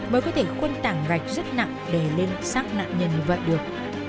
bởi có thể khuân tảng gạch rất nặng để lên xác nạn nhân vật được